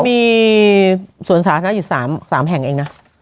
มีสวนสาธารณะอยู่๓แห่งเองนะ